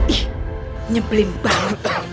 ih nyebelin banget